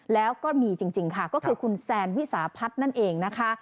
แล้วก็มีจริงค่ะก็คือคุณแซนวิสาพัฒน์นั่นเองนะคะ